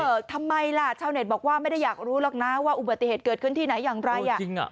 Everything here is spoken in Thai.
ทำไมล่ะชาวเน็ตบอกว่าไม่ได้อยากรู้หรอกนะว่าอุบัติเหตุเกิดขึ้นที่ไหนอย่างไรอ่ะจริงอ่ะ